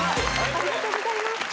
ありがとうございます。